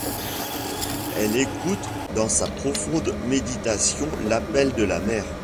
Elle écoute dans sa profonde méditation l’appel de la mer.